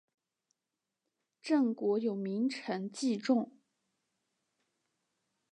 郑国有名臣祭仲。